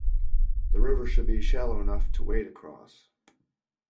The river should be shallow enough to wade across.